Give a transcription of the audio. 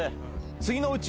次のうち。